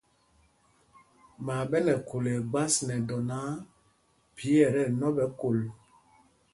Maa ɓɛ nɛ khul ɛgbas nɛ dɔ náǎ, phī ɛ tí ɛnɔ ɓɛ kol.